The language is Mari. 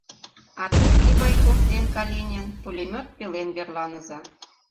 — А те, Ивайков ден Калинин, пулемёт пелен верланыза.